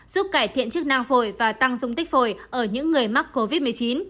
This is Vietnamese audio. giúp cải thiện chức năng phổi và tăng dung tích phổi ở những người mắc covid một mươi chín